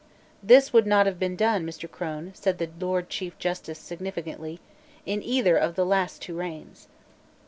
"This would not have been done, Mr. Crone," said the Lord Chief Justice significantly, "in either of the last two reigns."